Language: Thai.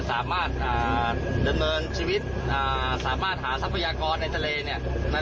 สามารถเงินโมนชีวิตสามารถหาทัพพยากรในทะเลเนี่ย